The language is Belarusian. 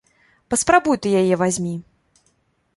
Паспрабуй ты яе вазьмі!